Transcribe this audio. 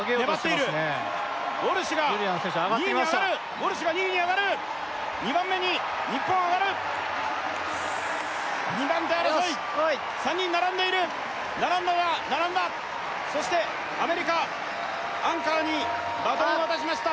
ウォルシュが２位に上がる２番目に日本上がる２番手争い３人並んでいる並んだか並んだそしてアメリカアンカーにバトンを渡しました